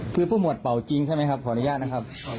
คือผู้หมวดเป่าจริงใช่ไหมครับขออนุญาตนะครับ